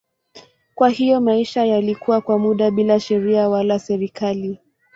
Kwa hiyo maisha yalikuwa kwa muda bila sheria wala serikali.